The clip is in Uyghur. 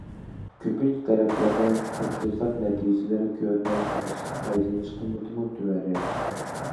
كۆپىنچە تەرەپلەردە تەتقىقات نەتىجىلىرى كۆرۈنەرلىك ئەمەس، پايدىلىنىش قىممىتىمۇ تۆۋەنرەك.